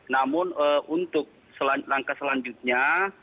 namun untuk langkah selanjutnya